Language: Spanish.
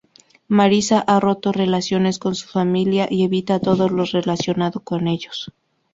Marisa ha roto relaciones con su familia, y evita todo lo relacionado con ellos.